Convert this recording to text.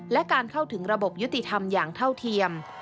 และการเข้าถึงระบบยุติธรรมอย่างเท่าเทียม